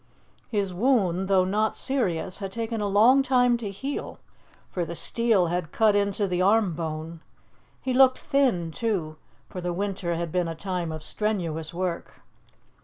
His wound, though not serious had taken a long time to heal, for the steel had cut into the arm bone; he looked thin, too, for the winter had been a time of strenuous work.